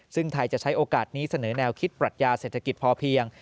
ซึ่งไทยจะใช้โอกาสนี้เสนอแนวคิดปรัชญาเศรษฐกิจพอเพียง